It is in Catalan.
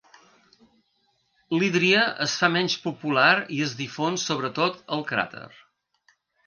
L'hídria es fa menys popular i es difon sobretot el crater.